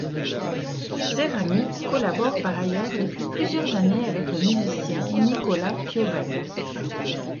Cerami collabore par ailleurs depuis plusieurs années avec le musicien Nicola Piovani.